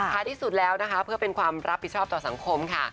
ที่สุดแล้วนะคะเพื่อเป็นความรับผิดชอบต่อสังคมค่ะ